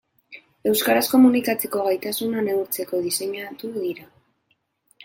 Euskaraz komunikatzeko gaitasuna neurtzeko diseinatu dira.